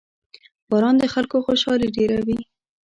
• باران د خلکو خوشحالي ډېروي.